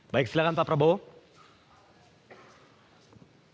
baik silahkan pak prabowo